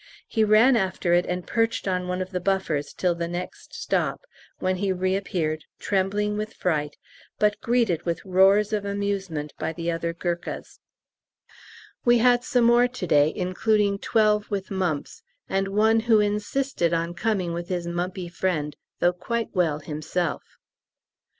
He ran after it, and perched on one of the buffers till the next stop, when he reappeared, trembling with fright, but greeted with roars of amusement by the other Gurkhas. We had some more to day, including twelve with mumps, and one who insisted on coming with his mumpy friend though quite well himself!